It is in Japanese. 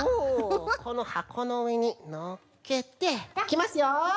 このはこのうえにのっけていきますよ！